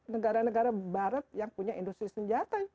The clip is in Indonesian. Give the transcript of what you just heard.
negara negara barat yang punya industri senjata